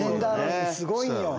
すごいんよ。